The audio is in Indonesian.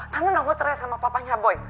tante gak mau cerai sama papanya boy